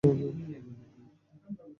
Sonic এয়ারে স্বাগত, ভ্রমণের দ্রুততম উপায়।